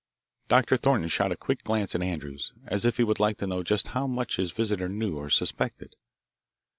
Doctor Thornton shot a quick glance at Andrews, as if he would like to know just how much his visitor knew or suspected.